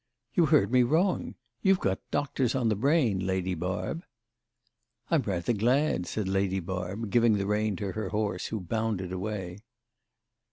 "You heard me wrong. You've got doctors on the brain, Lady Barb." "I'm rather glad," said Lady Barb, giving the rein to her horse, who bounded away.